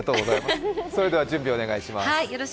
それでは準備お願いします。